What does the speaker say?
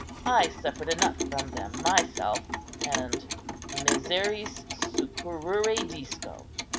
I suffered enough from them myself, and 'miseris succurrere disco.